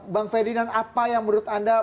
bang fedy dan apa yang menurut anda